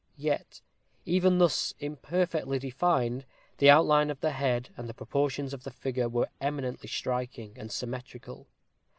Yet, even thus imperfectly defined, the outline of the head, and the proportions of the figure, were eminently striking and symmetrical.